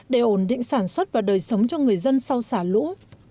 để ổn định sản xuất và đời sống cho người dân sau xả lũ